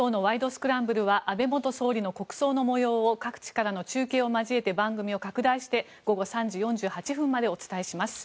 スクランブル」は安倍元総理の国葬に模様を各地からの中継を交えながら番組を拡大して午後３時４８分までお伝えします。